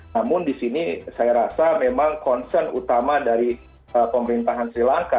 namun di sini saya rasa memang concern utama dari pemerintahan sri lanka